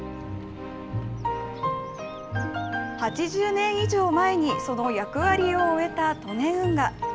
８０年以上前に、その役割を終えた利根運河。